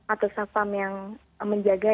atau sampam yang menjaga